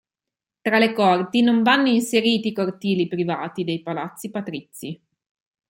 Tra le corti non vanno inseriti i cortili privati dei palazzi patrizi.